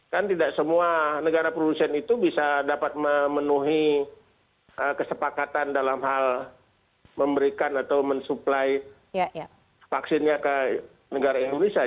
kan tidak semua negara produsen itu bisa dapat memenuhi kesepakatan dalam hal memberikan atau mensuplai vaksinnya ke negara indonesia